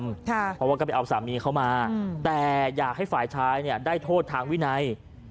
เพราะว่าก็ไปเอาสามีเขามาแต่อยากให้ฝ่ายชายเนี่ยได้โทษทางวินัย